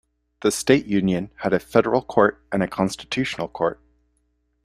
The State Union had a Federal Court and a Constitutional Court.